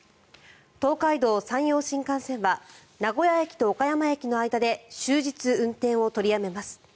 東海道・山陽新幹線は名古屋駅と岡山駅の間で終日運転を取りやめます。